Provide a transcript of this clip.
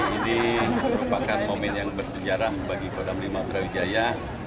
ini merupakan momen yang bersejarah bagi kodam lima brawijaya